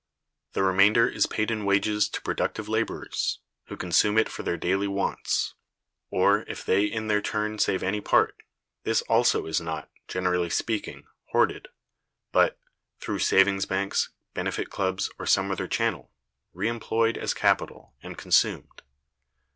The remainder is paid in wages to productive laborers, who consume it for their daily wants; or if they in their turn save any part, this also is not, generally speaking, hoarded, but (through savings banks, benefit clubs, or some other channel) re employed as capital, and consumed.